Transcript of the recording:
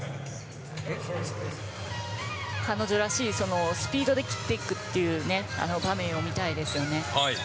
彼女らしいスピードで切っていくという場面を見たいですよね。